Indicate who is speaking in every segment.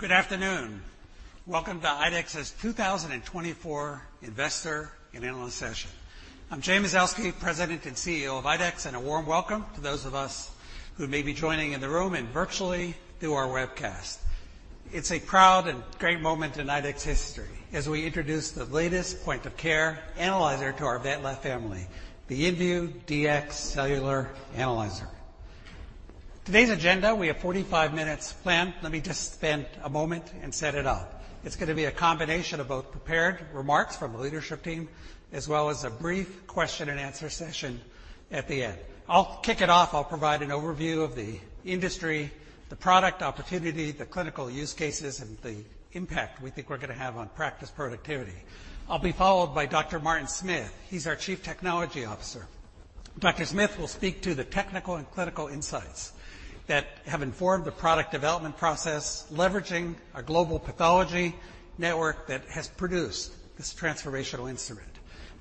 Speaker 1: Good afternoon. Welcome to IDEXX's 2024 Investor and Analyst session. I'm Jay Mazelsky, President and CEO of IDEXX, and a warm welcome to those of us who may be joining in the room and virtually through our webcast. It's a proud and great moment in IDEXX history as we introduce the latest point-of-care analyzer to our VetLab family, the inVue Dx Cellular Analyzer. Today's agenda, we have 45 minutes planned. Let me just spend a moment and set it up. It's going to be a combination of both prepared remarks from the leadership team, as well as a brief question and answer session at the end. I'll kick it off. I'll provide an overview of the industry, the product opportunity, the clinical use cases, and the impact we think we're going to have on practice productivity. I'll be followed by Dr. Martin Smith. He's our Chief Technology Officer. Dr. Smith will speak to the technical and clinical insights that have informed the product development process, leveraging our global pathology network that has produced this transformational instrument.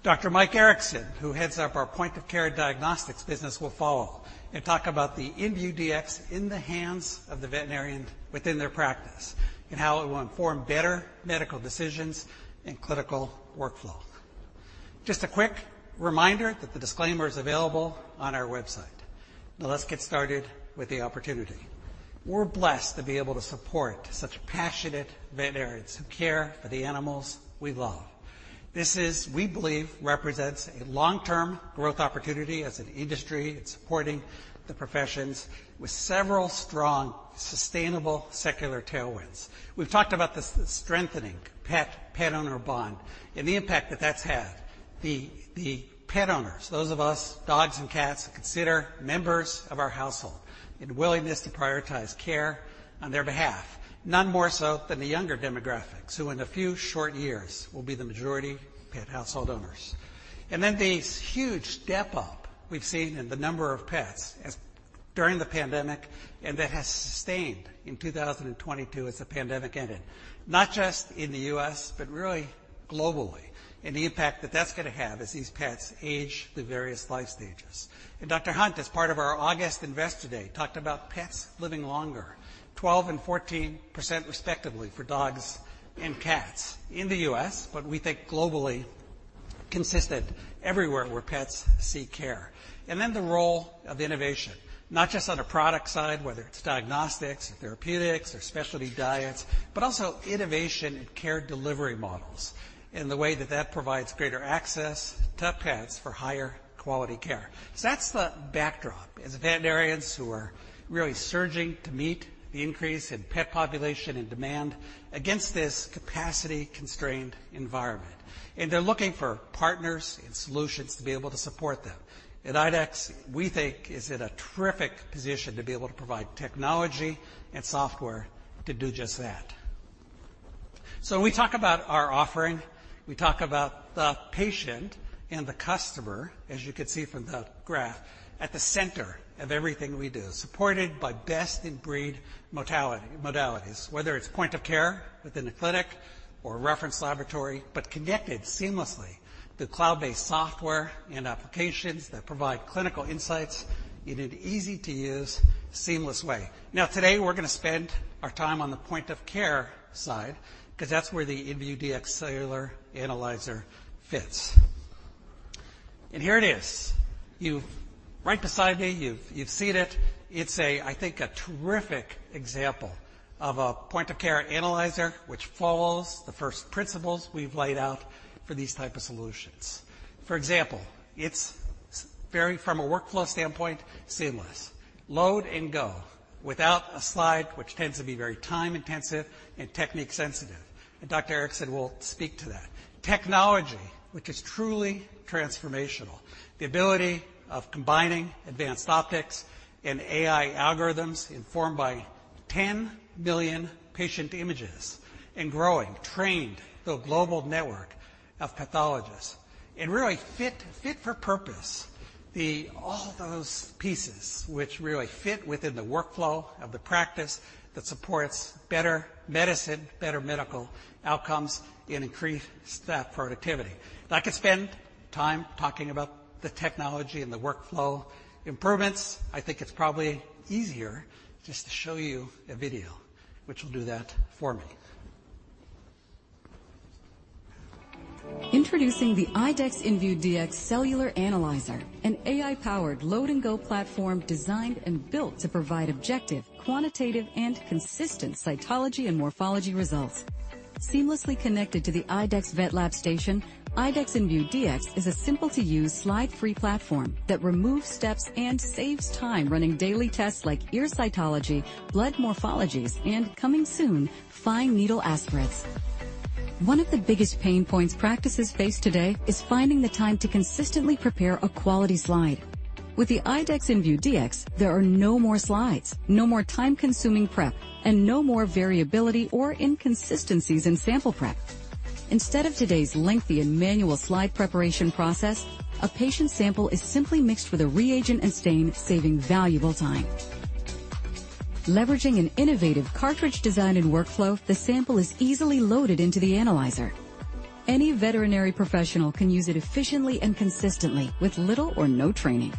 Speaker 1: Dr. Mike Erickson, who heads up our point-of-care diagnostics business, will follow and talk about the inVue Dx in the hands of the veterinarian within their practice and how it will inform better medical decisions and clinical workflow. Just a quick reminder that the disclaimer is available on our website. Now, let's get started with the opportunity. We're blessed to be able to support such passionate veterinarians who care for the animals we love. This is, we believe, represents a long-term growth opportunity as an industry. It's supporting the professions with several strong, sustainable, secular tailwinds. We've talked about this strengthening pet-pet owner bond and the impact that that's had. The pet owners, those of us, dogs and cats, consider members of our household and willingness to prioritize care on their behalf, none more so than the younger demographics, who in a few short years will be the majority pet household owners. And then the huge step up we've seen in the number of pets as during the pandemic, and that has sustained in 2022 as the pandemic ended, not just in the US, but really globally, and the impact that that's going to have as these pets age through various life stages. Dr. Hunt, as part of our August Investor Day, talked about pets living longer, 12% and 14%, respectively, for dogs and cats in the US, but we think globally consistent everywhere where pets seek care. Then the role of innovation, not just on a product side, whether it's diagnostics or therapeutics or specialty diets, but also innovation in care delivery models and the way that that provides greater access to pets for higher quality care. That's the backdrop, as veterinarians who are really surging to meet the increase in pet population and demand against this capacity-constrained environment, and they're looking for partners and solutions to be able to support them. At IDEXX, we think is in a terrific position to be able to provide technology and software to do just that. So when we talk about our offering, we talk about the patient and the customer, as you can see from the graph, at the center of everything we do, supported by best-in-breed modalities, whether it's point of care within a clinic or a reference laboratory, but connected seamlessly to cloud-based software and applications that provide clinical insights in an easy-to-use, seamless way. Now, today, we're going to spend our time on the point of care side, because that's where the inVue Dx Cellular Analyzer fits. And here it is. Right beside me, you've seen it. It's a, I think, a terrific example of a point-of-care analyzer, which follows the first principles we've laid out for these type of solutions. For example, it's very, from a workflow standpoint, seamless. Load and go without a slide, which tends to be very time-intensive and technique-sensitive. And Dr. Erickson will speak to that. Technology, which is truly transformational, the ability of combining advanced optics and AI algorithms informed by 10 million patient images and growing, trained through a global network of pathologists and really fit, fit for purpose. The all those pieces which really fit within the workflow of the practice that supports better medicine, better medical outcomes, and increased staff productivity. And I could spend time talking about the technology and the workflow improvements. I think it's probably easier just to show you a video which will do that for me.
Speaker 2: Introducing the IDEXX inVue Dx Cellular Analyzer, an AI-powered load-and-go platform designed and built to provide objective, quantitative, and consistent cytology and morphology results. Seamlessly connected to the IDEXX VetLab Station, IDEXX inVue Dx is a simple-to-use, slide-free platform that removes steps and saves time running daily tests like ear cytology, blood morphologies, and, coming soon, fine needle aspirates. One of the biggest pain points practices face today is finding the time to consistently prepare a quality slide. With the IDEXX inVue Dx, there are no more slides, no more time-consuming prep, and no more variability or inconsistencies in sample prep. Instead of today's lengthy and manual slide preparation process, a patient's sample is simply mixed with a reagent and stain, saving valuable time. Leveraging an innovative cartridge design and workflow, the sample is easily loaded into the analyzer. Any veterinary professional can use it efficiently and consistently with little or no training.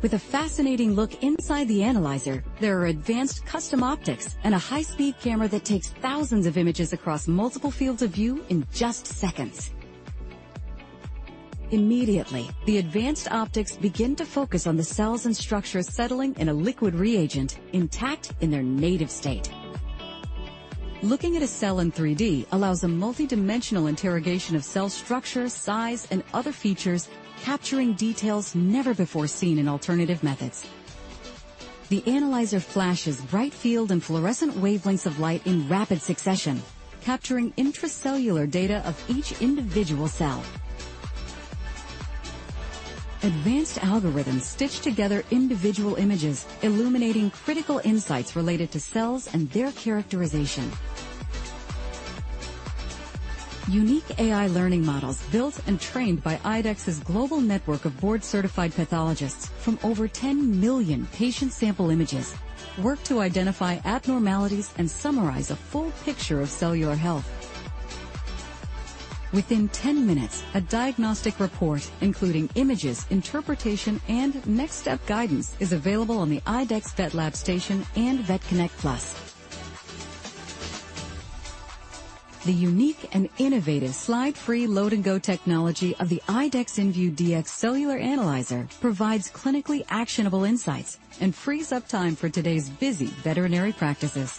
Speaker 2: With a fascinating look inside the analyzer, there are advanced custom optics and a high-speed camera that takes thousands of images across multiple fields of view in just seconds. Immediately, the advanced optics begin to focus on the cells and structures settling in a liquid reagent, intact in their native state. Looking at a cell in 3D allows a multidimensional interrogation of cell structure, size, and other features, capturing details never before seen in alternative methods. The analyzer flashes bright field and fluorescent wavelengths of light in rapid succession, capturing intracellular data of each individual cell. Advanced algorithms stitch together individual images, illuminating critical insights related to cells and their characterization. Unique AI learning models, built and trained by IDEXX's global network of board-certified pathologists from over 10 million patient sample images, work to identify abnormalities and summarize a full picture of cellular health. Within 10 minutes, a diagnostic report, including images, interpretation, and next step guidance, is available on the IDEXX VetLab Station and VetConnect PLUS. The unique and innovative slide-free Load and Go technology of the IDEXX inVue Dx Cellular Analyzer provides clinically actionable insights and frees up time for today's busy veterinary practices.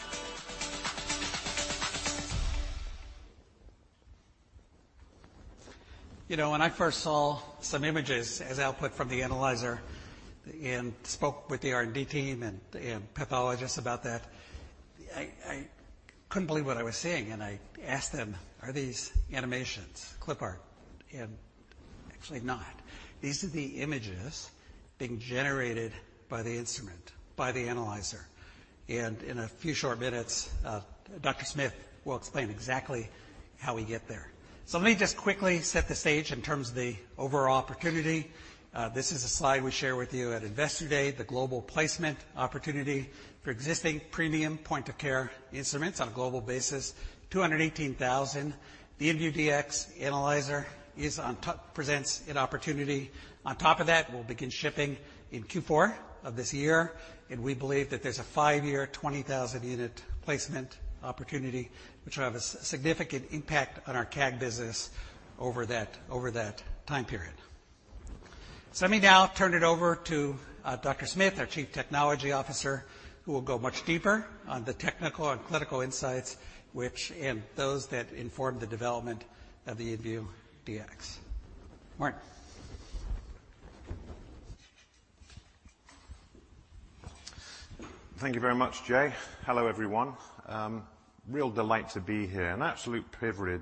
Speaker 1: You know, when I first saw some images as output from the analyzer and spoke with the R&D team and pathologists about that, I couldn't believe what I was seeing, and I asked them, "Are these animations, clip art?" And actually not. These are the images being generated by the instrument, by the analyzer, and in a few short minutes, Dr. Smith will explain exactly how we get there. So let me just quickly set the stage in terms of the overall opportunity. This is a slide we share with you at Investor Day, the global placement opportunity for existing premium point-of-care instruments on a global basis, 218,000. The inVue Dx Analyzer is on top, presents an opportunity. On top of that, we'll begin shipping in Q4 of this year, and we believe that there's a five-year, 20,000-unit placement opportunity, which will have a significant impact on our CAG business over that, over that time period. So let me now turn it over to Dr. Smith, our Chief Technology Officer, who will go much deeper on the technical and clinical insights which... and those that inform the development of the inVue Dx. Martin.
Speaker 3: Thank you very much, Jay. Hello, everyone. Real delight to be here. An absolute privilege,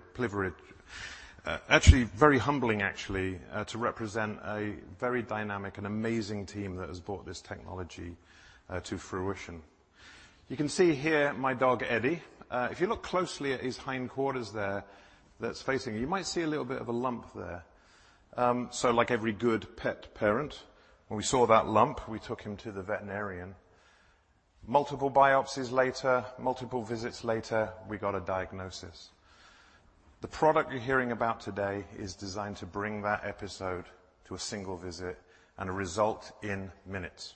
Speaker 3: actually very humbling, actually, to represent a very dynamic and amazing team that has brought this technology to fruition. You can see here my dog, Eddie. If you look closely at his hindquarters there, that's facing you, might see a little bit of a lump there. So, like every good pet parent, when we saw that lump, we took him to the veterinarian. Multiple biopsies later, multiple visits later, we got a diagnosis. The product you're hearing about today is designed to bring that episode to a single visit and a result in minutes.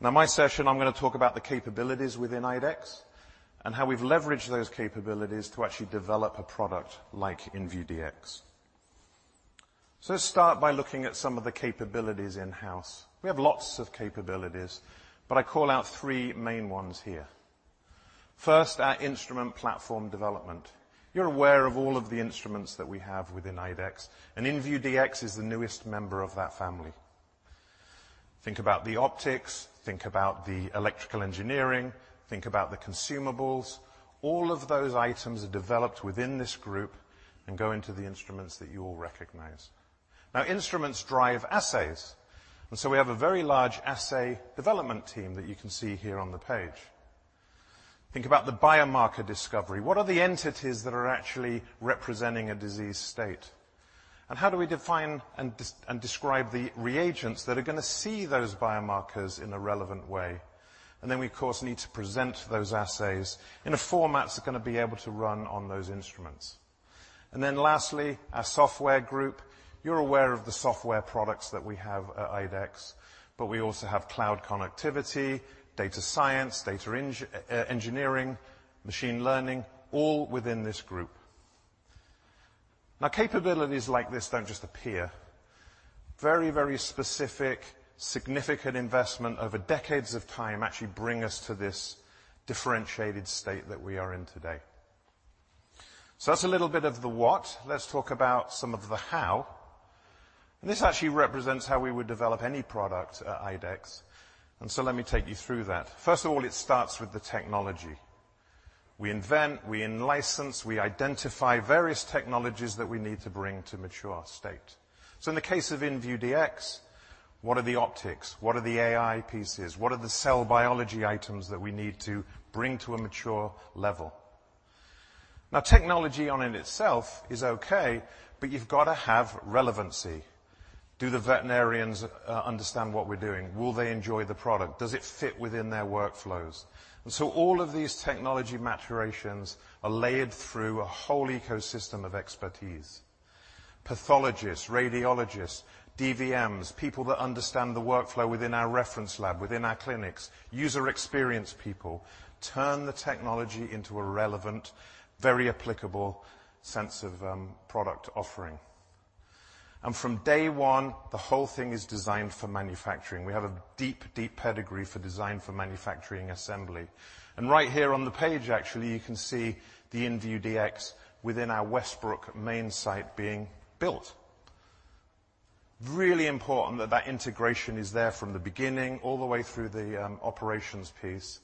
Speaker 3: Now, my session, I'm gonna talk about the capabilities within IDEXX and how we've leveraged those capabilities to actually develop a product like inVue Dx. So, let's start by looking at some of the capabilities in-house. We have lots of capabilities, but I call out three main ones here. First, our instrument platform development. You're aware of all of the instruments that we have within IDEXX, and inVue Dx is the newest member of that family. Think about the optics, think about the electrical engineering, think about the consumables. All of those items are developed within this group and go into the instruments that you all recognize. Now, instruments drive assays, and so we have a very large assay development team that you can see here on the page. Think about the biomarker discovery. What are the entities that are actually representing a disease state? And how do we define and describe the reagents that are gonna see those biomarkers in a relevant way? And then we, of course, need to present those assays in a format that's gonna be able to run on those instruments. And then lastly, our software group. You're aware of the software products that we have at IDEXX, but we also have cloud connectivity, data science, data engineering, machine learning, all within this group. Now, capabilities like this don't just appear. Very, very specific, significant investment over decades of time actually bring us to this differentiated state that we are in today. So that's a little bit of the what. Let's talk about some of the how, and this actually represents how we would develop any product at IDEXX, and so let me take you through that. First of all, it starts with the technology. We invent, we in-license, we identify various technologies that we need to bring to mature state. So in the case of inVue Dx, what are the optics? What are the AI pieces? What are the cell biology items that we need to bring to a mature level? Now, technology on in itself is okay, but you've got to have relevancy. Do the veterinarians understand what we're doing? Will they enjoy the product? Does it fit within their workflows? And so all of these technology maturations are layered through a whole ecosystem of expertise... pathologists, radiologists, DVMs, people that understand the workflow within our reference lab, within our clinics, user experience people, turn the technology into a relevant, very applicable sense of product offering. And from day one, the whole thing is designed for manufacturing. We have a deep, deep pedigree for design for manufacturing assembly. And right here on the page, actually, you can see the inVue Dx within our Westbrook main site being built. Really important that that integration is there from the beginning, all the way through the operations piece,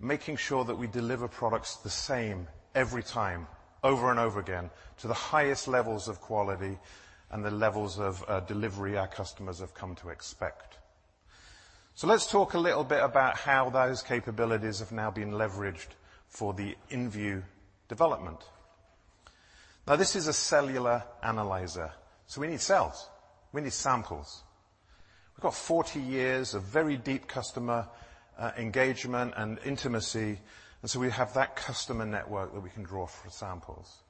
Speaker 3: making sure that we deliver products the same every time, over and over again, to the highest levels of quality and the levels of delivery our customers have come to expect. So let's talk a little bit about how those capabilities have now been leveraged for the inVue development. Now, this is a cellular analyzer, so we need cells. We need samples. We've got 40 years of very deep customer engagement and intimacy, and so we have that customer network that we can draw from samples.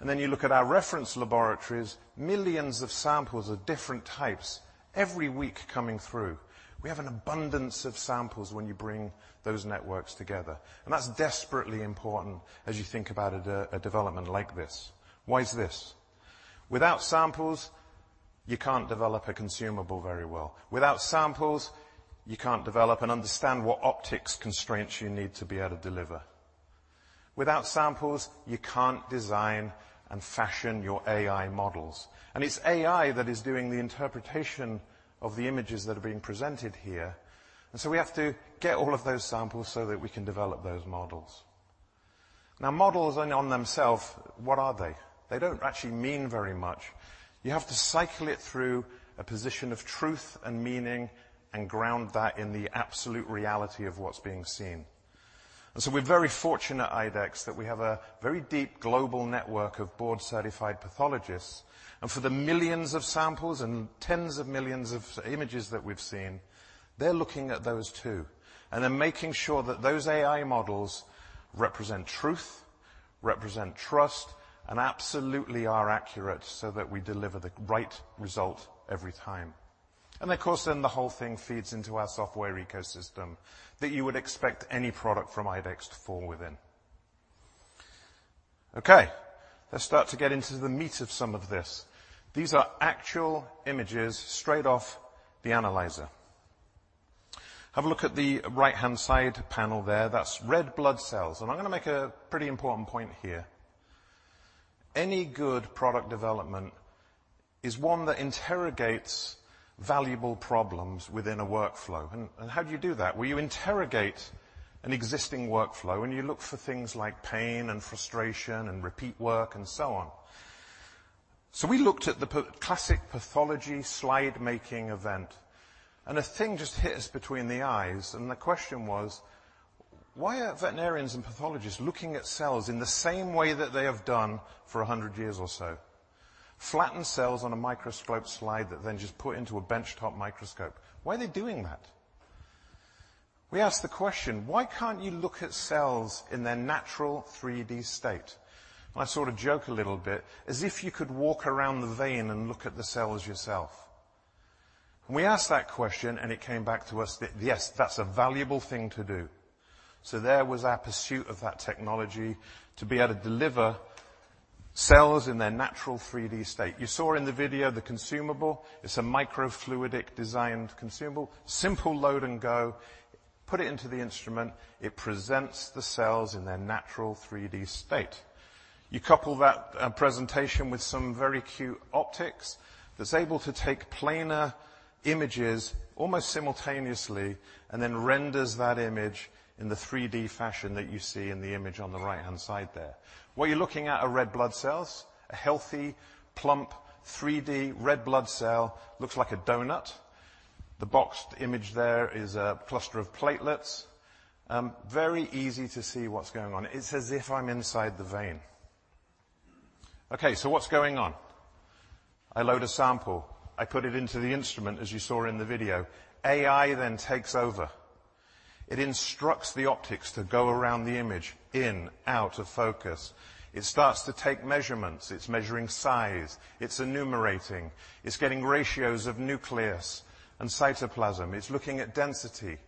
Speaker 3: And then you look at our reference laboratories, millions of samples of different types every week coming through. We have an abundance of samples when you bring those networks together, and that's desperately important as you think about a development like this. Why is this? Without samples, you can't develop a consumable very well. Without samples, you can't develop and understand what optics constraints you need to be able to deliver. Without samples, you can't design and fashion your AI models, and it's AI that is doing the interpretation of the images that are being presented here, and so we have to get all of those samples so that we can develop those models. Now, models in and of themselves, what are they? They don't actually mean very much. You have to cycle it through a position of truth and meaning and ground that in the absolute reality of what's being seen. And so we're very fortunate at IDEXX that we have a very deep global network of board-certified pathologists, and for the millions of samples and tens of millions of images that we've seen, they're looking at those, too, and they're making sure that those AI models represent truth, represent trust, and absolutely are accurate so that we deliver the right result every time. And of course, then the whole thing feeds into our software ecosystem that you would expect any product from IDEXX to fall within. Okay, let's start to get into the meat of some of this. These are actual images straight off the analyzer. Have a look at the right-hand side panel there. That's red blood cells, and I'm gonna make a pretty important point here. Any good product development is one that interrogates valuable problems within a workflow. And how do you do that? Well, you interrogate an existing workflow, and you look for things like pain and frustration and repeat work and so on. So we looked at the classic pathology slide-making event, and a thing just hit us between the eyes, and the question was: Why are veterinarians and pathologists looking at cells in the same way that they have done for 100 years or so? Flattened cells on a microscope slide that then just put into a benchtop microscope. Why are they doing that? We asked the question: Why can't you look at cells in their natural three-D state? And I sort of joke a little bit, as if you could walk around the vein and look at the cells yourself. And we asked that question, and it came back to us that, yes, that's a valuable thing to do. So there was our pursuit of that technology, to be able to deliver cells in their natural 3D state. You saw in the video the consumable. It's a microfluidic-designed consumable, simple load and go. Put it into the instrument, it presents the cells in their natural 3D state. You couple that presentation with some very cute optics, that's able to take planar images almost simultaneously and then renders that image in the 3D fashion that you see in the image on the right-hand side there. What you're looking at are red blood cells, a healthy, plump, 3D red blood cell, looks like a donut. The boxed image there is a cluster of platelets. Very easy to see what's going on. It's as if I'm inside the vein. Okay, so what's going on? I load a sample. I put it into the instrument, as you saw in the video. AI then takes over. It instructs the optics to go around the image, in, out of focus. It starts to take measurements. It's measuring size. It's enumerating. It's getting ratios of nucleus and cytoplasm. It's looking at density.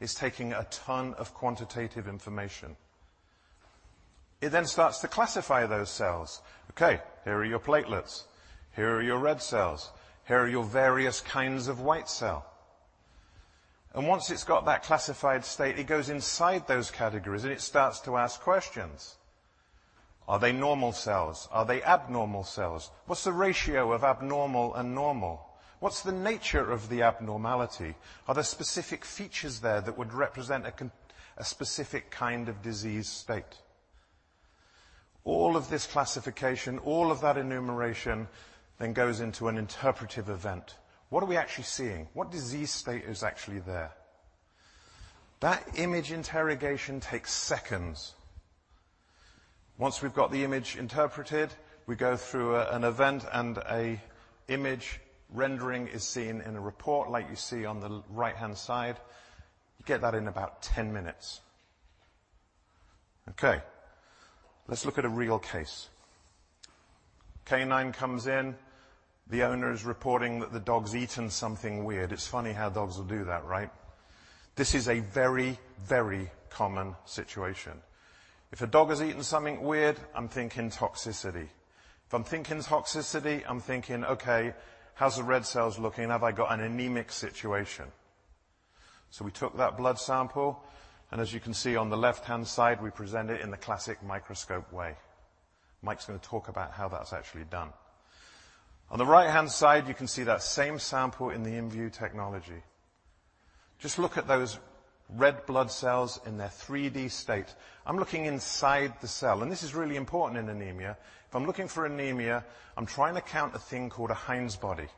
Speaker 3: It's taking a ton of quantitative information. It then starts to classify those cells. Okay, here are your platelets. Here are your red cells. Here are your various kinds of white cell. And once it's got that classified state, it goes inside those categories, and it starts to ask questions. Are they normal cells? Are they abnormal cells? What's the ratio of abnormal and normal? What's the nature of the abnormality? Are there specific features there that would represent a specific kind of disease state? All of this classification, all of that enumeration, then goes into an interpretive event. What are we actually seeing? What disease state is actually there? That image interrogation takes seconds. Once we've got the image interpreted, we go through an event and an image rendering is seen in a report like you see on the right-hand side. You get that in about 10 minutes. Okay, let's look at a real case. A canine comes in, the owner is reporting that the dog's eaten something weird. It's funny how dogs will do that, right? This is a very, very common situation. If a dog has eaten something weird, I'm thinking toxicity. If I'm thinking toxicity, I'm thinking, "Okay, how's the red cells looking? Have I got an anemic situation?" So we took that blood sample, and as you can see on the left-hand side, we present it in the classic microscope way. Mike's gonna talk about how that's actually done. On the right-hand side, you can see that same sample in the inVue technology. Just look at those red blood cells in their 3D state. I'm looking inside the cell, and this is really important in anemia. If I'm looking for anemia, I'm trying to count a thing called a Heinz body.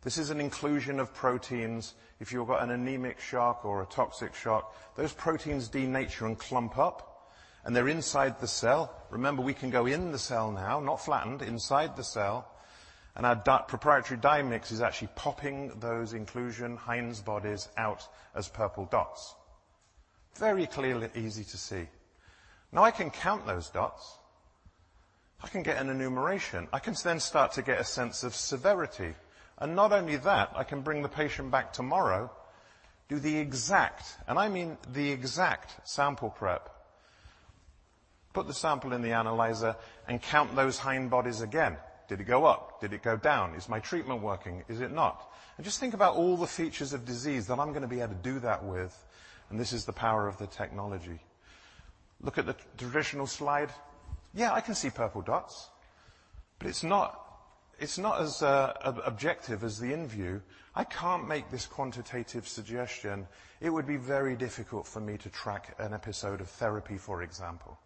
Speaker 3: This is an inclusion of proteins. If you've got an anemic shock or a toxic shock, those proteins denature and clump up, and they're inside the cell. Remember, we can go in the cell now, not flattened, inside the cell, and our proprietary dye mix is actually popping those inclusion, Heinz bodies, out as purple dots. Very clearly easy to see. Now, I can count those dots. I can get an enumeration. I can then start to get a sense of severity, and not only that, I can bring the patient back tomorrow, do the exact, and I mean the exact, sample prep, put the sample in the analyzer, and count those Heinz bodies again. Did it go up? Did it go down? Is my treatment working? Is it not? And just think about all the features of disease that I'm gonna be able to do that with, and this is the power of the technology. Look at the traditional slide. Yeah, I can see purple dots, but it's not, it's not as objective as the inVue. I can't make this quantitative suggestion. It would be very difficult for me to track an episode of therapy, for example.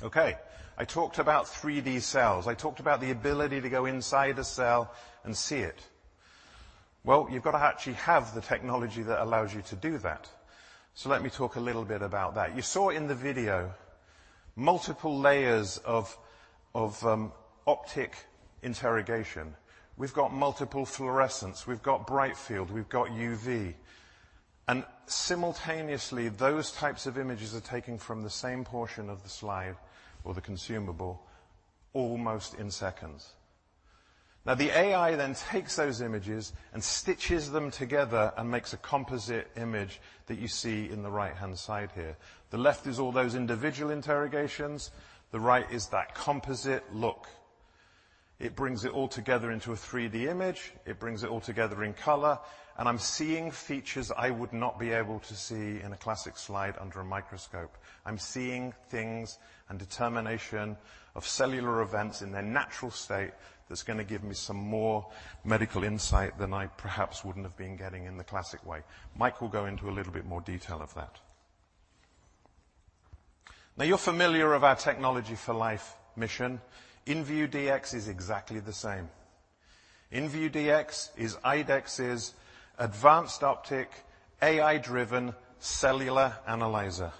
Speaker 3: Okay, I talked about 3D cells. I talked about the ability to go inside a cell and see it. Well, you've got to actually have the technology that allows you to do that, so let me talk a little bit about that. You saw in the video multiple layers of optic interrogation. We've got multiple fluorescence, we've got bright field, we've got UV, and simultaneously, those types of images are taken from the same portion of the slide or the consumable, almost in seconds. Now, the AI then takes those images and stitches them together and makes a composite image that you see in the right-hand side here. The left is all those individual interrogations, the right is that composite look. It brings it all together into a 3D image. It brings it all together in color, and I'm seeing features I would not be able to see in a classic slide under a microscope. I'm seeing things and determination of cellular events in their natural state that's gonna give me some more medical insight than I perhaps wouldn't have been getting in the classic way. Mike will go into a little bit more detail of that. Now, you're familiar of our Technology for Life mission. inVue Dx is exactly the same. inVue Dx is IDEXX's advanced optic, AI-driven, cellular analyzer.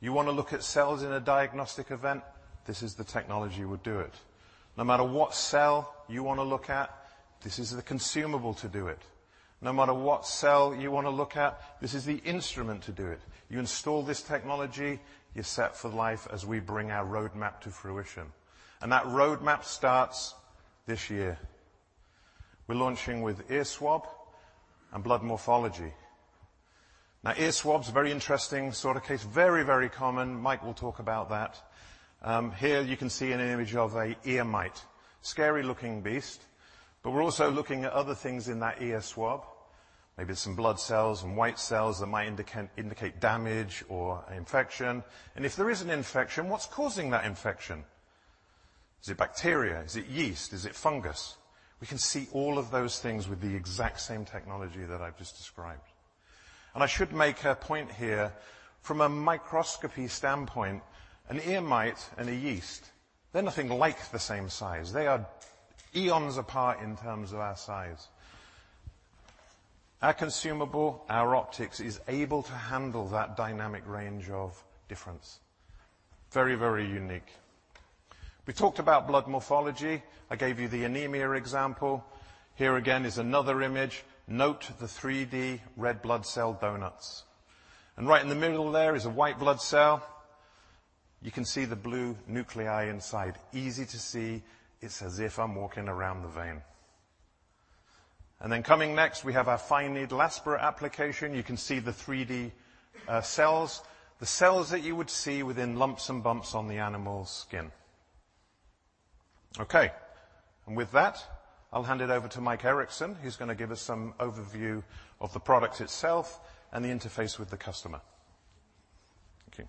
Speaker 3: You wanna look at cells in a diagnostic event, this is the technology that would do it. No matter what cell you wanna look at, this is the consumable to do it. No matter what cell you wanna look at, this is the instrument to do it. You install this technology, you're set for life as we bring our roadmap to fruition, and that roadmap starts this year. We're launching with ear swab and blood morphology. Now, ear swab's a very interesting sort of case, very, very common. Mike will talk about that. Here you can see an image of an ear mite. Scary-looking beast, but we're also looking at other things in that ear swab. Maybe some blood cells and white cells that might indicate damage or an infection, and if there is an infection, what's causing that infection? Is it bacteria? Is it yeast? Is it fungus? We can see all of those things with the exact same technology that I've just described. And I should make a point here, from a microscopy standpoint, an ear mite and a yeast, they're nothing like the same size. They are eons apart in terms of their size. Our consumable, our optics, is able to handle that dynamic range of difference. Very, very unique. We talked about blood morphology. I gave you the anemia example. Here again is another image. Note the 3D red blood cell donuts, and right in the middle there is a white blood cell. You can see the blue nuclei inside. Easy to see. It's as if I'm walking around the vein. And then coming next, we have our fine needle aspirate application. You can see the 3D cells, the cells that you would see within lumps and bumps on the animal's skin. Okay, and with that, I'll hand it over to Mike Erickson, who's gonna give us some overview of the product itself and the interface with the customer. Thank you.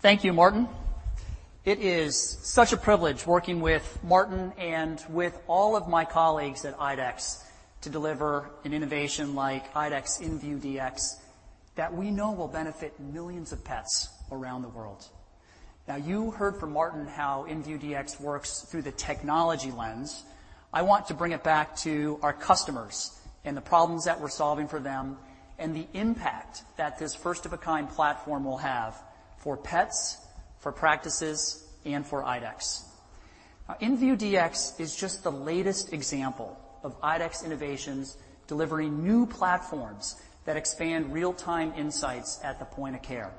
Speaker 4: Thank you, Martin. It is such a privilege working with Martin and with all of my colleagues at IDEXX to deliver an innovation like IDEXX inVue Dx that we know will benefit millions of pets around the world. Now, you heard from Martin how inVue Dx works through the technology lens. I want to bring it back to our customers and the problems that we're solving for them, and the impact that this first-of-its-kind platform will have for pets, for practices, and for IDEXX. Now, inVue Dx is just the latest example of IDEXX innovations delivering new platforms that expand real-time insights at the point of care.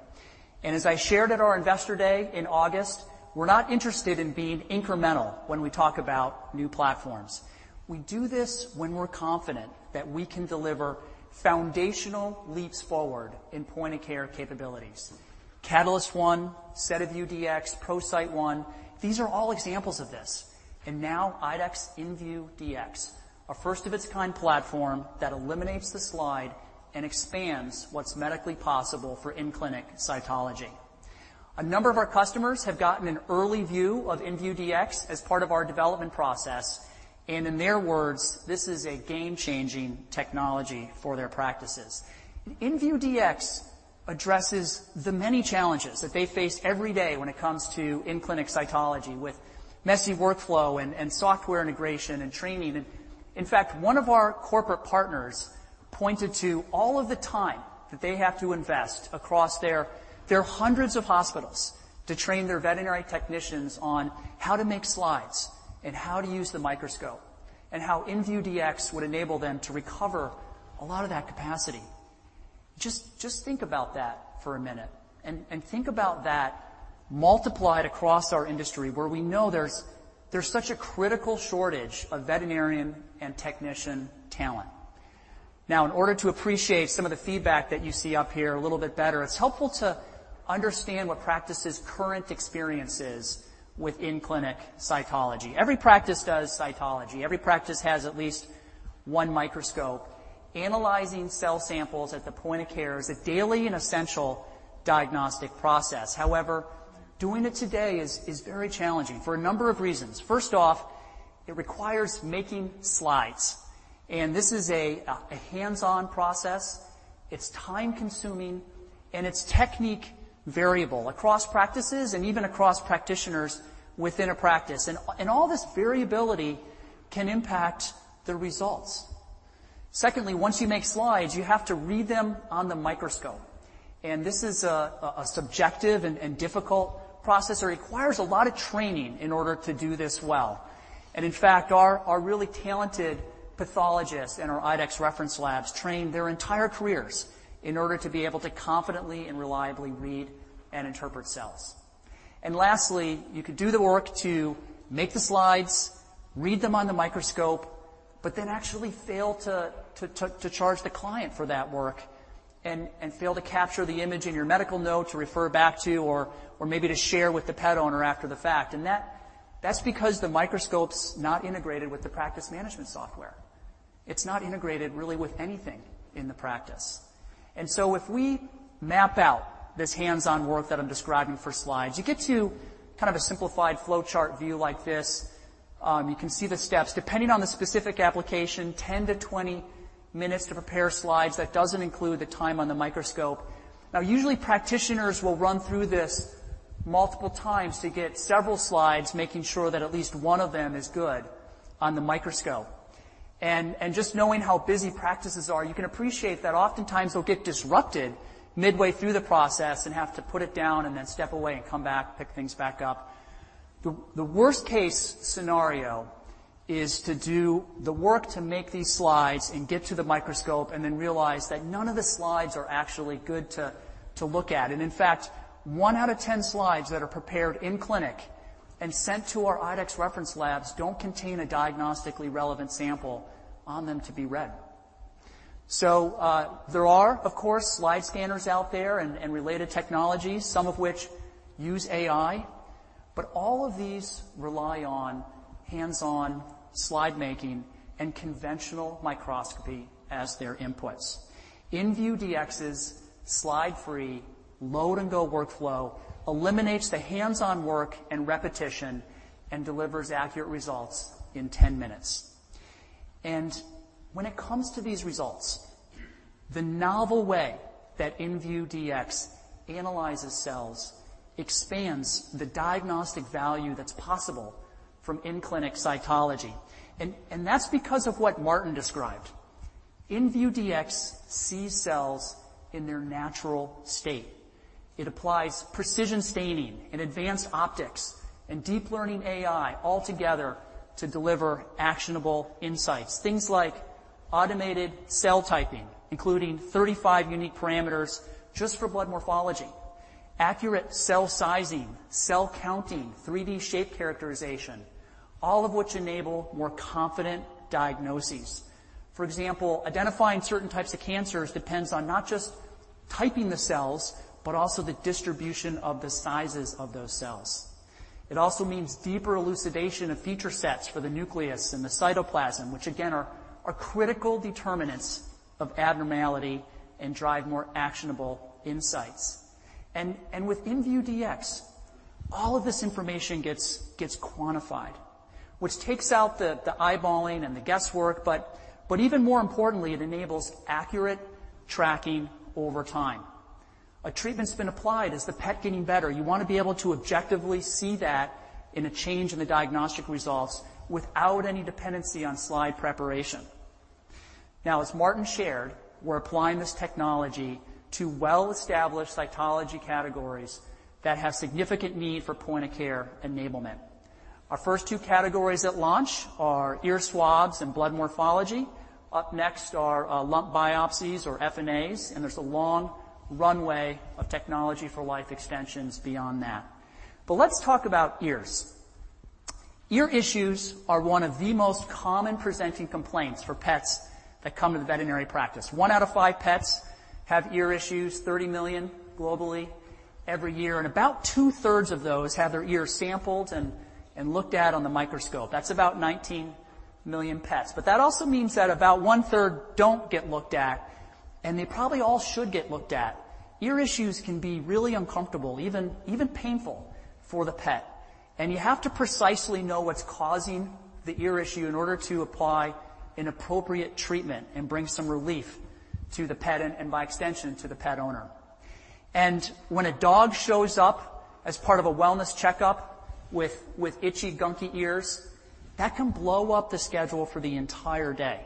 Speaker 4: And as I shared at our Investor Day in August, we're not interested in being incremental when we talk about new platforms. We do this when we're confident that we can deliver foundational leaps forward in point-of-care capabilities. Catalyst One, SediVue Dx, ProCyte One, these are all examples of this. And now IDEXX inVue Dx, a first-of-its-kind platform that eliminates the slide and expands what's medically possible for in-clinic cytology. A number of our customers have gotten an early view of inVue Dx as part of our development process, and in their words, this is a game-changing technology for their practices. inVue Dx addresses the many challenges that they face every day when it comes to in-clinic cytology, with messy workflow and software integration and training. In fact, one of our corporate partners pointed to all of the time that they have to invest across their hundreds of hospitals to train their veterinary technicians on how to make slides and how to use the microscope, and how inVue Dx would enable them to recover a lot of that capacity. Just think about that for a minute and think about that multiplied across our industry, where we know there's such a critical shortage of veterinarian and technician talent. Now, in order to appreciate some of the feedback that you see up here a little bit better, it's helpful to understand what practices' current experience is with in-clinic cytology. Every practice does cytology. Every practice has at least one microscope. Analyzing cell samples at the point of care is a daily and essential diagnostic process. However, doing it today is very challenging for a number of reasons. First off, it requires making slides, and this is a hands-on process. It's time-consuming, and it's technique variable across practices and even across practitioners within a practice. And all this variability can impact the results. Secondly, once you make slides, you have to read them on the microscope, and this is a subjective and difficult process that requires a lot of training in order to do this well. In fact, our really talented pathologists in our IDEXX Reference Labs train their entire careers in order to be able to confidently and reliably read and interpret cells. Lastly, you could do the work to make the slides, read them on the microscope, but then actually fail to charge the client for that work and fail to capture the image in your medical note to refer back to or maybe to share with the pet owner after the fact. That's because the microscope's not integrated with the practice management software. It's not integrated really with anything in the practice. And so if we map out this hands-on work that I'm describing for slides, you get to kind of a simplified flowchart view like this. You can see the steps. Depending on the specific application, 10-20 minutes to prepare slides. That doesn't include the time on the microscope. Now, usually, practitioners will run through this multiple times to get several slides, making sure that at least one of them is good on the microscope. And just knowing how busy practices are, you can appreciate that oftentimes they'll get disrupted midway through the process and have to put it down and then step away and come back, pick things back up. The worst-case scenario is to do the work to make these slides and get to the microscope and then realize that none of the slides are actually good to look at. In fact, 1 out of 10 slides that are prepared in-clinic and sent to our IDEXX Reference Labs don't contain a diagnostically relevant sample on them to be read. So, there are, of course, slide scanners out there and related technologies, some of which use AI, but all of these rely on hands-on slide making and conventional microscopy as their inputs. inVue Dx's slide-free, load-and-go workflow eliminates the hands-on work and repetition and delivers accurate results in 10 minutes. When it comes to these results, the novel way that inVue Dx analyzes cells expands the diagnostic value that's possible from in-clinic cytology. And that's because of what Martin described. inVue Dx sees cells in their natural state. It applies precision staining and advanced optics and deep learning AI all together to deliver actionable insights. Things like automated cell typing, including 35 unique parameters just for blood morphology, accurate cell sizing, cell counting, 3D shape characterization, all of which enable more confident diagnoses. For example, identifying certain types of cancers depends on not just typing the cells, but also the distribution of the sizes of those cells. It also means deeper elucidation of feature sets for the nucleus and the cytoplasm, which again, are critical determinants of abnormality and drive more actionable insights. And with inVue Dx, all of this information gets quantified, which takes out the eyeballing and the guesswork, but even more importantly, it enables accurate tracking over time. A treatment's been applied. Is the pet getting better? You want to be able to objectively see that in a change in the diagnostic results without any dependency on slide preparation.... Now, as Martin shared, we're applying this technology to well-established cytology categories that have significant need for point-of-care enablement. Our first two categories at launch are ear swabs and blood morphology. Up next are lump biopsies or FNAs, and there's a long runway of technology for life extensions beyond that. But let's talk about ears. Ear issues are one of the most common presenting complaints for pets that come to the veterinary practice. One out of five pets have ear issues, 30 million globally every year, and about two-thirds of those have their ears sampled and looked at on the microscope. That's about 19 million pets. But that also means that about one-third don't get looked at, and they probably all should get looked at. Ear issues can be really uncomfortable, even painful for the pet, and you have to precisely know what's causing the ear issue in order to apply an appropriate treatment and bring some relief to the pet and by extension to the pet owner. And when a dog shows up as part of a wellness checkup with itchy, gunky ears, that can blow up the schedule for the entire day.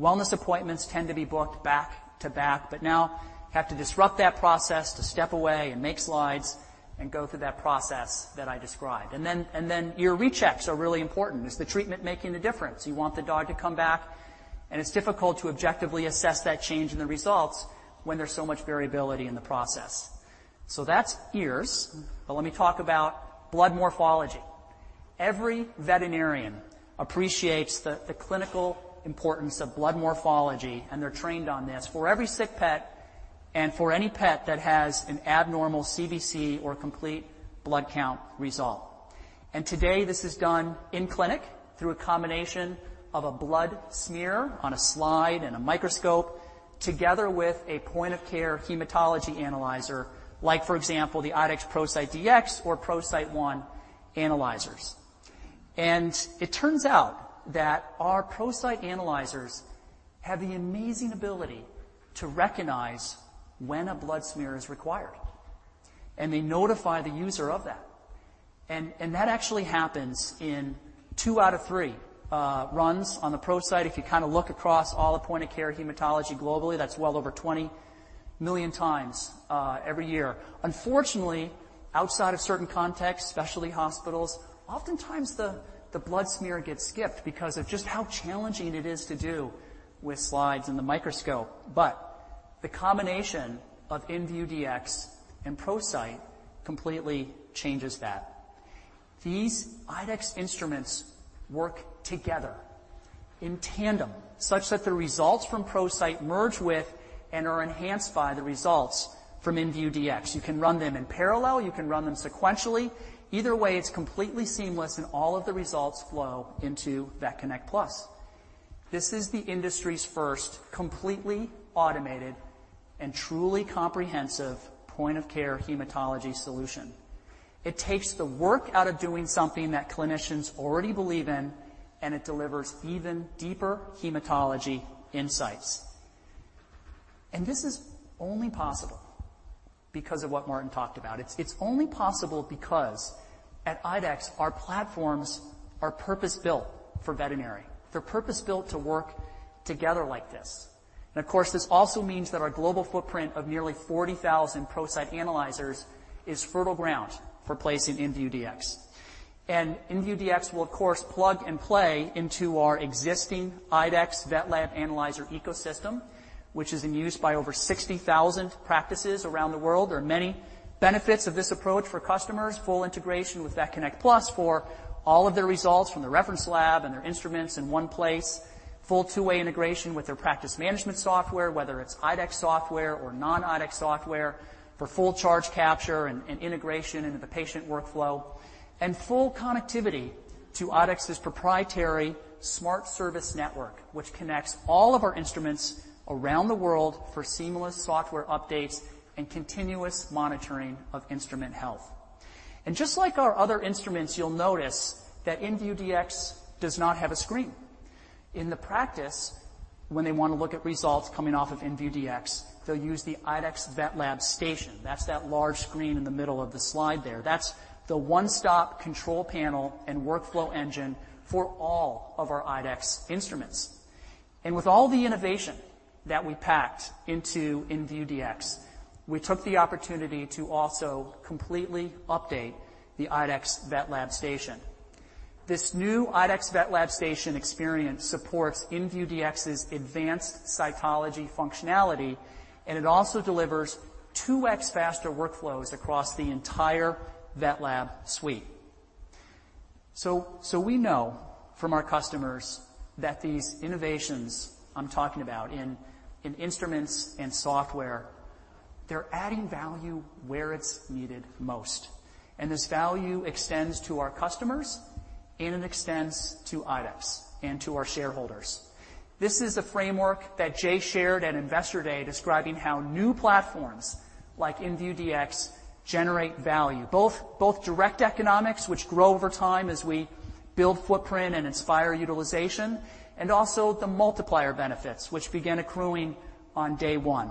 Speaker 4: Wellness appointments tend to be booked back-to-back, but now you have to disrupt that process to step away and make slides and go through that process that I described. And then ear rechecks are really important. Is the treatment making a difference? You want the dog to come back, and it's difficult to objectively assess that change in the results when there's so much variability in the process. So that's ears, but let me talk about blood morphology. Every veterinarian appreciates the clinical importance of blood morphology, and they're trained on this. For every sick pet and for any pet that has an abnormal CBC or complete blood count result. And today, this is done in-clinic through a combination of a blood smear on a slide and a microscope, together with a point-of-care hematology analyzer, like, for example, the IDEXX ProCyte Dx or ProCyte One analyzers. And it turns out that our ProCyte analyzers have the amazing ability to recognize when a blood smear is required, and they notify the user of that. And that actually happens in two out of three runs on the ProCyte. If you kinda look across all the point-of-care hematology globally, that's well over 20 million times every year. Unfortunately, outside of certain contexts, specialty hospitals, oftentimes the blood smear gets skipped because of just how challenging it is to do with slides in the microscope. But the combination of inVue Dx and ProCyte completely changes that. These IDEXX instruments work together in tandem such that the results from ProCyte merge with and are enhanced by the results from inVue Dx. You can run them in parallel, you can run them sequentially. Either way, it's completely seamless and all of the results flow into VetConnect PLUS. This is the industry's first completely automated and truly comprehensive point-of-care hematology solution. It takes the work out of doing something that clinicians already believe in, and it delivers even deeper hematology insights. And this is only possible because of what Martin talked about. It's only possible because at IDEXX, our platforms are purpose-built for veterinary. They're purpose-built to work together like this. And of course, this also means that our global footprint of nearly 40,000 ProCyte analyzers is fertile ground for placing inVue Dx. And inVue Dx will of course, plug and play into our existing IDEXX VetLab analyzer ecosystem, which is in use by over 60,000 practices around the world. There are many benefits of this approach for customers. Full integration with VetConnect PLUS for all of their results from the reference lab and their instruments in one place. Full two-way integration with their practice management software, whether it's IDEXX software or non-IDEXX software, for full charge capture and integration into the patient workflow, and full connectivity to IDEXX's proprietary SmartService network, which connects all of our instruments around the world for seamless software updates and continuous monitoring of instrument health. Just like our other instruments, you'll notice that inVue Dx does not have a screen. In the practice, when they want to look at results coming off of inVue Dx, they'll use the IDEXX VetLab Station. That's that large screen in the middle of the slide there. That's the one-stop control panel and workflow engine for all of our IDEXX instruments. And with all the innovation that we packed into inVue Dx, we took the opportunity to also completely update the IDEXX VetLab Station. This new IDEXX VetLab Station experience supports inVue Dx's advanced cytology functionality, and it also delivers 2x faster workflows across the entire VetLab suite. So, so we know from our customers that these innovations I'm talking about in instruments and software, they're adding value where it's needed most, and this value extends to our customers and it extends to IDEXX and to our shareholders. This is a framework that Jay shared at Investor Day, describing how new platforms like inVue Dx generate value, both direct economics, which grow over time as we build footprint and inspire utilization, and also the multiplier benefits, which begin accruing on day one.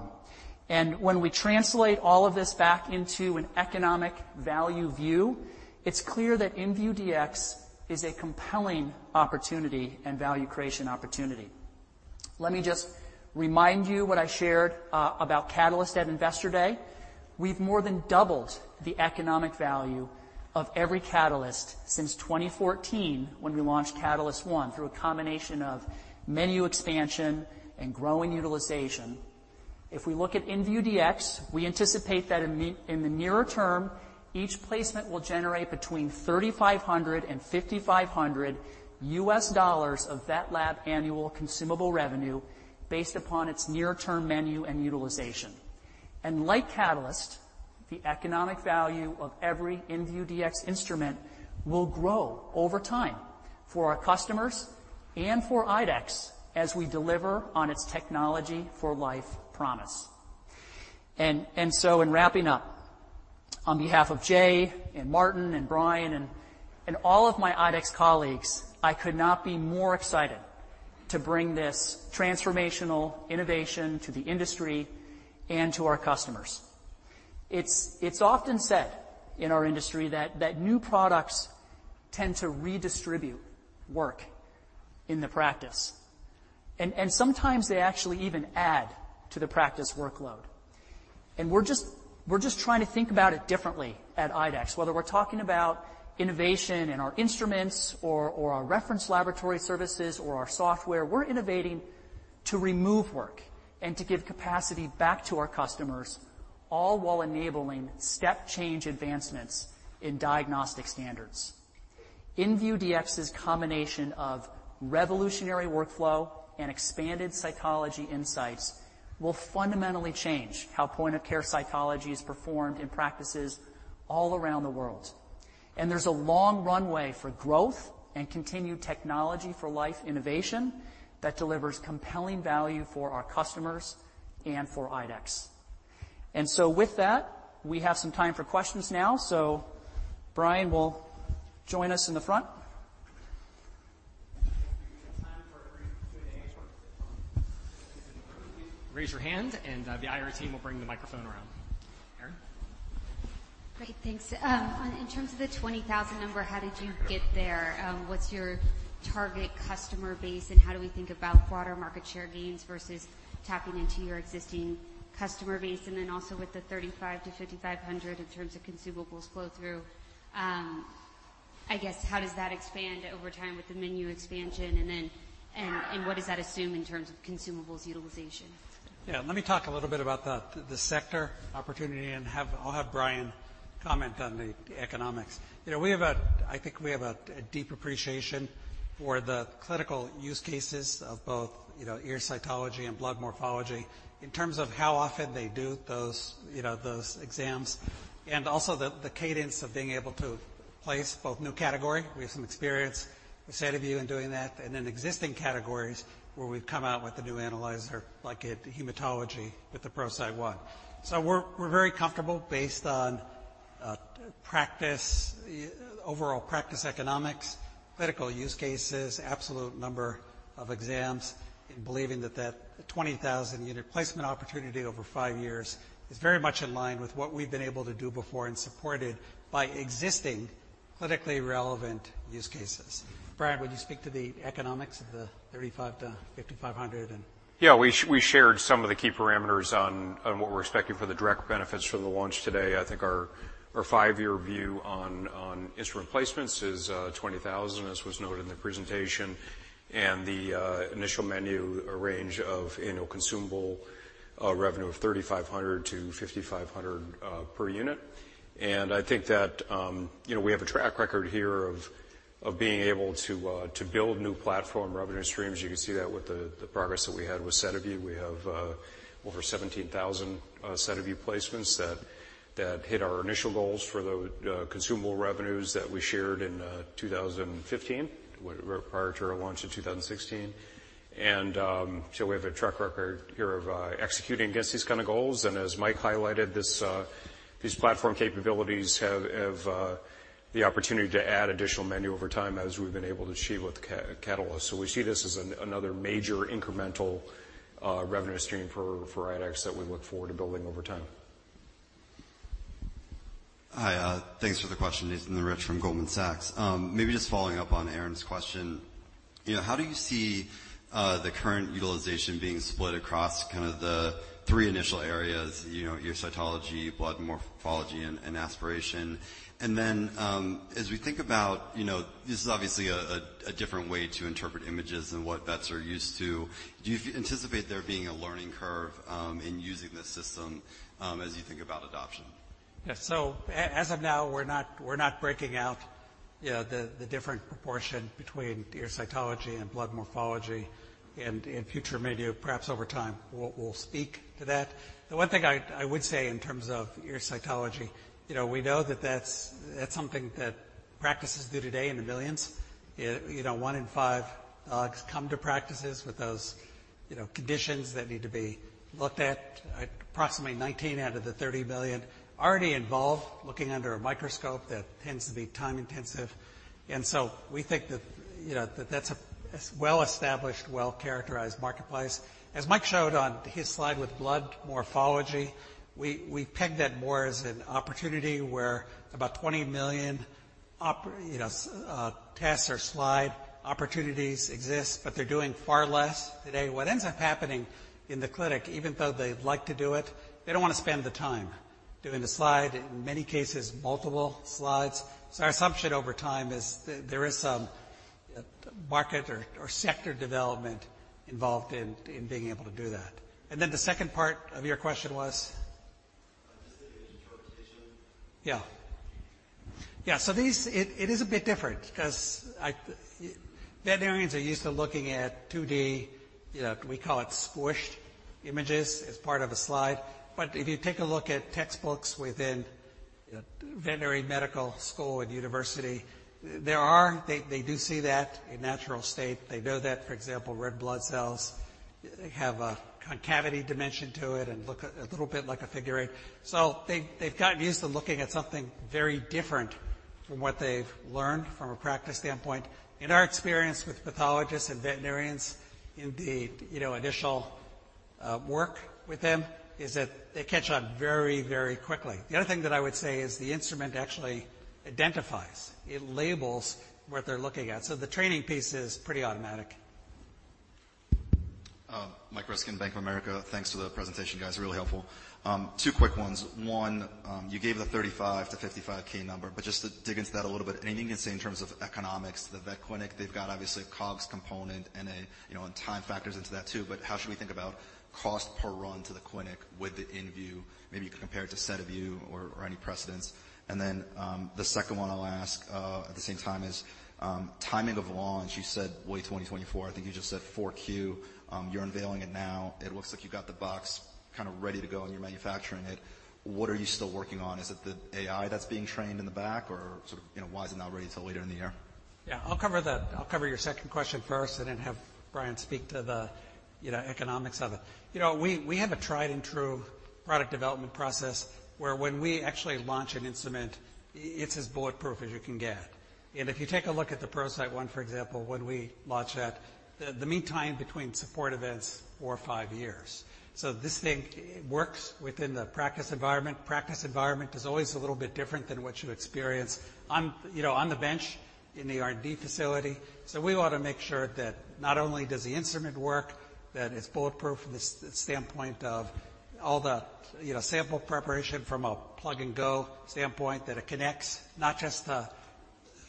Speaker 4: When we translate all of this back into an economic value view, it's clear that inVue Dx is a compelling opportunity and value creation opportunity. Let me just remind you what I shared about Catalyst at Investor Day. We've more than doubled the economic value of every Catalyst since 2014, when we launched Catalyst One, through a combination of menu expansion and growing utilization. If we look at inVue Dx, we anticipate that in the nearer term, each placement will generate between $3,500 and $5,500 of vet lab annual consumable revenue based upon its near-term menu and utilization. And like Catalyst, the economic value of every inVue Dx instrument will grow over time for our customers and for IDEXX, as we deliver on its Technology for Life promise. And so in wrapping up, on behalf of Jay and Martin and Brian and all of my IDEXX colleagues, I could not be more excited to bring this transformational innovation to the industry and to our customers. It's often said in our industry that new products tend to redistribute work in the practice, and sometimes they actually even add to the practice workload. We're just trying to think about it differently at IDEXX. Whether we're talking about innovation in our instruments or our reference laboratory services or our software, we're innovating to remove work and to give capacity back to our customers, all while enabling step change advancements in diagnostic standards. inVue Dx's combination of revolutionary workflow and expanded cytology insights will fundamentally change how point-of-care cytology is performed in practices all around the world. There's a long runway for growth and continued Technology for Life innovation that delivers compelling value for our customers and for IDEXX. So with that, we have some time for questions now, so Brian will join us in the front.
Speaker 5: We have time for a few questions. Raise your hand, and the IR team will bring the microphone around. Erin?
Speaker 6: Great, thanks. In terms of the 20,000 number, how did you get there? What's your target customer base, and how do we think about broader market share gains versus tapping into your existing customer base? And then also with the $3,500-$5,500 in terms of consumables flow-through, I guess, how does that expand over time with the menu expansion? And then, and, and what does that assume in terms of consumables utilization?
Speaker 4: Yeah, let me talk a little bit about the sector opportunity, and I'll have Brian comment on the economics. You know, I think we have a deep appreciation for the clinical use cases of both, you know, ear cytology and blood morphology in terms of how often they do those, you know, those exams, and also the cadence of being able to place both new category. We have some experience with SediVue in doing that, and then existing categories, where we've come out with a new analyzer, like in hematology, with the ProCyte One. So we're very comfortable based on practice, overall practice economics, clinical use cases, absolute number of exams, in believing that that 20,000 unit placement opportunity over five years is very much in line with what we've been able to do before and supported by existing clinically relevant use cases. Brian, would you speak to the economics of the $3,500-$5,500 and-
Speaker 7: Yeah, we shared some of the key parameters on what we're expecting for the direct benefits from the launch today. I think our five-year view on instrument placements is 20,000, as was noted in the presentation, and the initial menu range of, you know, consumable revenue of $3,500-$5,500 per unit. And I think that, you know, we have a track record here of being able to build new platform revenue streams. You can see that with the progress that we had with SediVue. We have over 17,000 SediVue placements that hit our initial goals for the consumable revenues that we shared in 2015, prior to our launch in 2016. So we have a track record here of executing against these kind of goals, and as Mike highlighted, these platform capabilities have the opportunity to add additional menu over time, as we've been able to achieve with Catalyst. So we see this as another major incremental revenue stream for IDEXX that we look forward to building over time.
Speaker 8: Hi, thanks for the question. Nathan Rich from Goldman Sachs. Maybe just following up on Erin's question, you know, how do you see the current utilization being split across kind of the three initial areas, you know, ear cytology, blood morphology, and aspiration? And then, as we think about, you know, this is obviously a different way to interpret images than what vets are used to, do you anticipate there being a learning curve in using this system, as you think about adoption?
Speaker 4: Yeah. So as of now, we're not, we're not breaking out, you know, the, the different proportion between ear cytology and blood morphology, and in future, maybe perhaps over time, we'll, we'll speak to that. The one thing I, I would say in terms of ear cytology, you know, we know that that's, that's something that practices do today in the millions. You know, one in five come to practices with those, you know, conditions that need to be looked at. Approximately 19 out of the 30 billion already involve looking under a microscope. That tends to be time-intensive. And so we think that, you know, that that's a, a well-established, well-characterized marketplace. As Mike showed on his slide with blood morphology, we, we pegged that more as an opportunity where about 20 million-... op, you know, tests or slide opportunities exist, but they're doing far less today. What ends up happening in the clinic, even though they'd like to do it, they don't want to spend the time doing the slide, in many cases, multiple slides. So our assumption over time is that there is some market or sector development involved in being able to do that. And then the second part of your question was?
Speaker 8: Just the image rotation.
Speaker 4: Yeah. Yeah, so these—it is a bit different. Veterinarians are used to looking at 2D, you know, we call it squished images, as part of a slide. But if you take a look at textbooks within, you know, veterinary medical school and university, there—they do see that in natural state. They know that, for example, red blood cells have a concavity dimension to it and look a little bit like a figure eight. So they've gotten used to looking at something very different from what they've learned from a practice standpoint. In our experience with pathologists and veterinarians, in the, you know, initial work with them, is that they catch on very, very quickly. The other thing that I would say is the instrument actually identifies, it labels what they're looking at, so the training piece is pretty automatic.
Speaker 9: Mike Ryskin, Bank of America. Thanks for the presentation, guys, really helpful. Two quick ones. One, you gave the 35-55k number, but just to dig into that a little bit, anything you can say in terms of economics? The vet clinic, they've got obviously a COGS component and a, you know, and time factors into that too, but how should we think about cost per run to the clinic with the inVue? Maybe you can compare it to SediVue or, or any precedents. And then, the second one I'll ask, at the same time is, timing of launch. You said Q 2024. I think you just said Q4. You're unveiling it now. It looks like you've got the box kind of ready to go, and you're manufacturing it. What are you still working on? Is it the AI that's being trained in the back or sort of, you know, why is it not ready till later in the year?
Speaker 4: Yeah, I'll cover your second question first and then have Brian speak to the, you know, economics of it. You know, we have a tried-and-true product development process, where when we actually launch an instrument, it's as bulletproof as you can get. And if you take a look at the ProCyte One, for example, when we launched that, the mean time between support events, four or five years. So this thing works within the practice environment. Practice environment is always a little bit different than what you experience on, you know, on the bench in the R&D facility. So we want to make sure that not only does the instrument work, that it's bulletproof from the standpoint of all the, you know, sample preparation from a plug-and-go standpoint, that it connects not just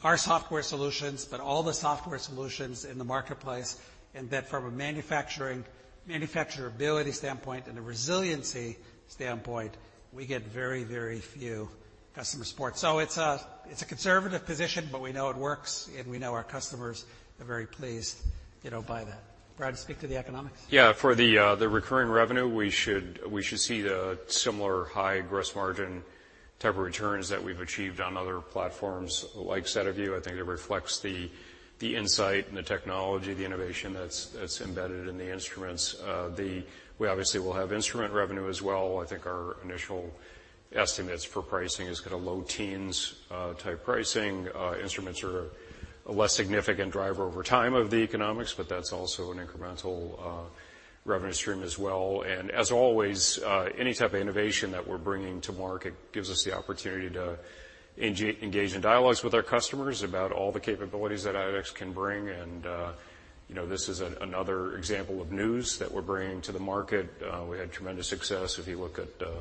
Speaker 4: our software solutions, but all the software solutions in the marketplace. And that from a manufacturing, manufacturability standpoint and a resiliency standpoint, we get very, very few customer support. So it's a conservative position, but we know it works, and we know our customers are very pleased, you know, by that. Brian, speak to the economics.
Speaker 7: Yeah. For the recurring revenue, we should see the similar high gross margin type of returns that we've achieved on other platforms like SediVue. I think it reflects the insight and the technology, the innovation that's embedded in the instruments. We obviously will have instrument revenue as well. I think our initial estimates for pricing is kind of low teens type pricing. Instruments are a less significant driver over time of the economics, but that's also an incremental revenue stream as well. And as always, any type of innovation that we're bringing to market gives us the opportunity to engage in dialogues with our customers about all the capabilities that IDEXX can bring, and you know, this is another example of new that we're bringing to the market. We had tremendous success if you look at the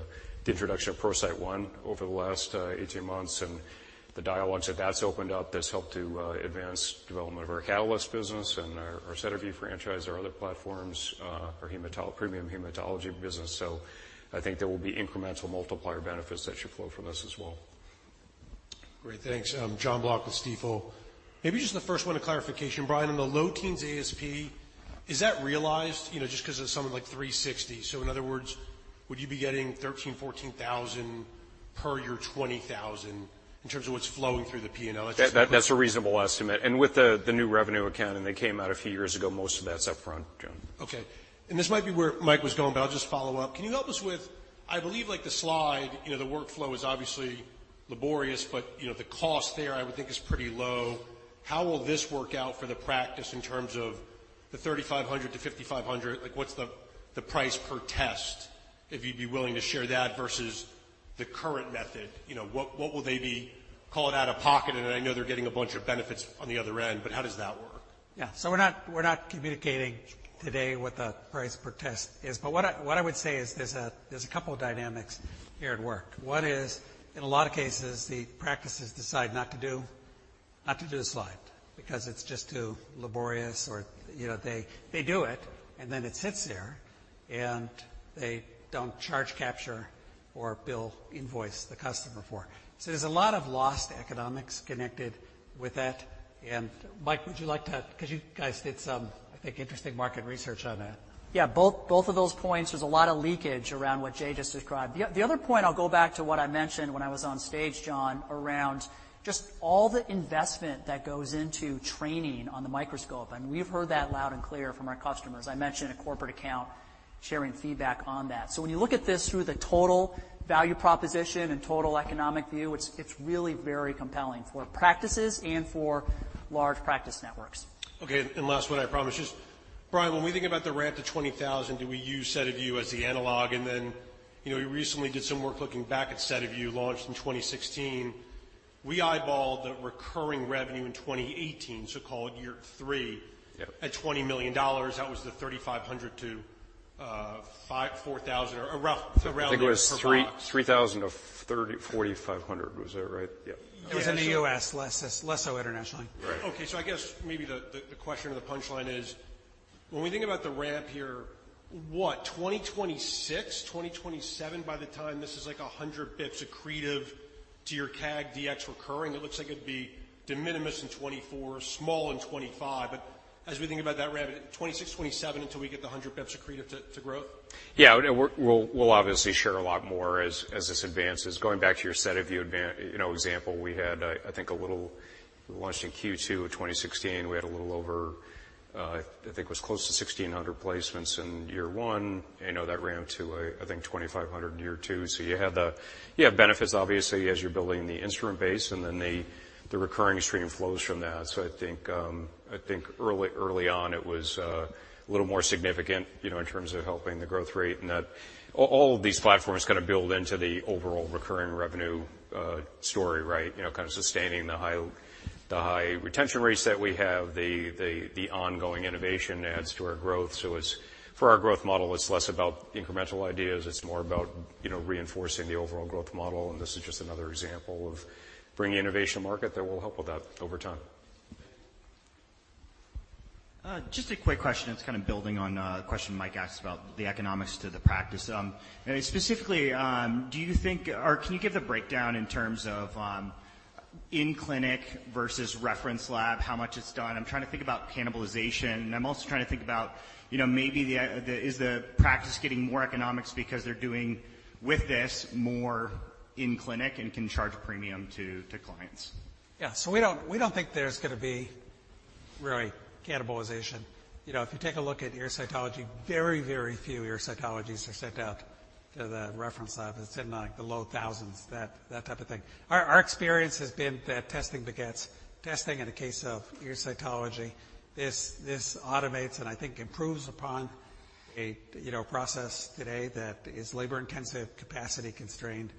Speaker 7: introduction of ProCyte One over the last 18 months, and the dialogues that that's opened up that's helped to advance development of our Catalyst business and our SediVue franchise, our other platforms, our premium hematology business. So I think there will be incremental multiplier benefits that should flow from this as well.
Speaker 10: Great. Thanks. Jon Block with Stifel. Maybe just the first one, a clarification, Brian, on the low teens ASP, is that realized? You know, just because it's something like $360. So in other words, would you be getting $13,000-$14,000 per your $20,000 in terms of what's flowing through the P&L?
Speaker 7: That, that's a reasonable estimate. With the new revenue account, and it came out a few years ago, most of that's upfront, Jon.
Speaker 10: Okay, and this might be where Mike was going, but I'll just follow up. Can you help us with... I believe, like, the slide, you know, the workflow is obviously laborious, but, you know, the cost there, I would think, is pretty low. How will this work out for the practice in terms of the $3,500-$5,500? Like, what's the, the price per test, if you'd be willing to share that, versus the current method? You know, what, what will they be calling out-of-pocket, and I know they're getting a bunch of benefits on the other end, but how does that work?
Speaker 1: Yeah. So we're not communicating today what the price per test is, but what I would say is there's a couple of dynamics here at work. One is, in a lot of cases, the practices decide not to do the slide because it's just too laborious or, you know, they do it, and then it sits there, and they don't charge, capture, or bill, invoice the customer for it. So there's a lot of lost economics connected with that. And, Mike, would you like to... Because you guys did some, I think, interesting market research on that.
Speaker 4: Yeah, both of those points, there's a lot of leakage around what Jay just described. The other point, I'll go back to what I mentioned when I was on stage, John, around just all the investment that goes into training on the microscope, and we've heard that loud and clear from our customers. I mentioned a corporate account sharing feedback on that. So when you look at this through the total value proposition and total economic view, it's really very compelling for practices and for large practice networks.
Speaker 10: Okay, and last one, I promise. Brian, when we think about the ramp to 20,000, do we use SediVue as the analog? And then, you know, we recently did some work looking back at SediVue, launched in 2016. We eyeballed the recurring revenue in 2018, so call it year three-
Speaker 7: Yep.
Speaker 10: -at $20 million. That was the 3,500-4,000 or around-
Speaker 7: I think it was three, 3,000 to 30, 4,500. Was that right? Yeah.
Speaker 1: It was in the U.S., less, less so internationally.
Speaker 7: Right.
Speaker 10: Okay, so I guess maybe the question or the punchline is, when we think about the ramp here, what, 2026, 2027, by the time this is like 100 basis points accretive to your CAG DX recurring, it looks like it'd be de minimis in 2024, small in 2025. But as we think about that ramp, 2026, 2027 until we get the 100 basis points accretive to growth?
Speaker 7: Yeah, we'll obviously share a lot more as this advances. Going back to your SediVue adva-- you know, example, we had, I think, a little. We launched in Q2 of 2016. We had a little over, I think it was close to 1,600 placements in year one. I know that ramped to, I think, 2,500 in year two. So you have benefits, obviously, as you're building the instrument base, and then the recurring stream flows from that. So I think, I think early on, it was a little more significant, you know, in terms of helping the growth rate. And that all of these platforms kind of build into the overall recurring revenue story, right? You know, kind of sustaining the high retention rates that we have, the ongoing innovation adds to our growth. So it's, for our growth model, it's less about incremental ideas, it's more about, you know, reinforcing the overall growth model, and this is just another example of bringing innovation to market that will help with that over time.
Speaker 6: Just a quick question. It's kind of building on a question Mike asked about the economics to the practice. Specifically, do you think, or can you give the breakdown in terms of in-clinic versus reference lab, how much it's done? I'm trying to think about cannibalization, and I'm also trying to think about, you know, maybe the... Is the practice getting more economics because they're doing, with this, more in-clinic and can charge a premium to clients?
Speaker 1: Yeah. So we don't, we don't think there's gonna be really cannibalization. You know, if you take a look at ear cytology, very, very few ear cytologies are sent out to the reference lab. It's in, like, the low thousands, that, that type of thing. Our, our experience has been that testing begets testing in the case of ear cytology. This, this automates and I think improves upon a, you know, process today that is labor-intensive, capacity-constrained,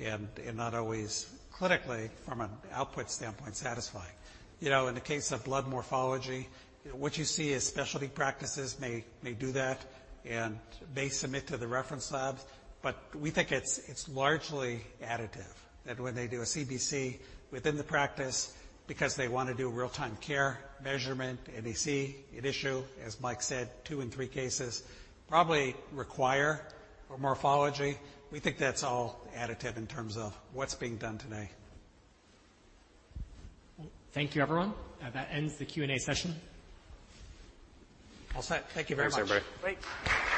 Speaker 1: and, and not always clinically, from an output standpoint, satisfying. You know, in the case of blood morphology, what you see is specialty practices may, may do that, and they submit to the reference labs, but we think it's, it's largely additive. That when they do a CBC within the practice because they want to do real-time care measurement, and they see an issue, as Mike said, two in three cases probably require a morphology. We think that's all additive in terms of what's being done today.
Speaker 5: Thank you, everyone. That ends the Q&A session.
Speaker 1: All set. Thank you very much.
Speaker 7: Thanks, everybody.
Speaker 1: Great. Thank you.